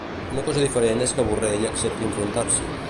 Una cosa diferent és que Borrell accepti enfrontar-s'hi .